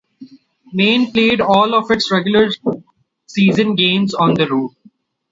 Maine played all of its regular season games on the road.